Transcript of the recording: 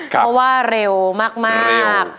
เพราะว่าเร็วมาก